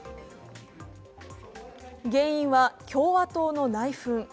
原因は共和党の内紛。